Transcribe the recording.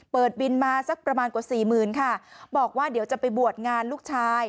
บินมาสักประมาณกว่าสี่หมื่นค่ะบอกว่าเดี๋ยวจะไปบวชงานลูกชาย